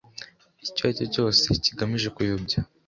icyo ari cyo cyose kigamije kuyobya